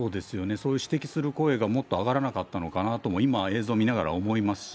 そう指摘する声がもっと上がらなかったのかなと、今、映像見ながら思いますし。